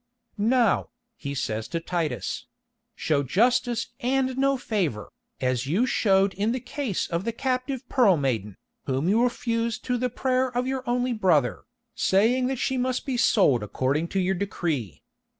"Now," he says to Titus—"Show justice and no favour, as you showed in the case of the captive Pearl Maiden, whom you refused to the prayer of your only brother, saying that she must be sold according to your decree.